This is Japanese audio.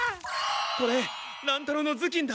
これ乱太郎のずきんだ！